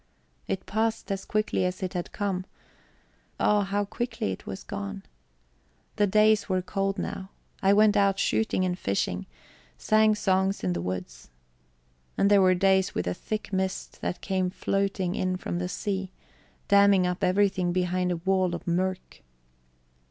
It passed as quickly as it had come; ah, how quickly it was gone! The days were cold now. I went out shooting and fishing sang songs in the woods. And there were days with a thick mist that came floating in from the sea, damming up everything behind a wall of murk.